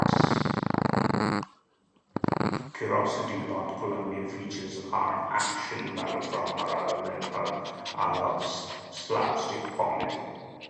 Curiously, Lord's Columbia features are action melodramas rather than slapstick comedies.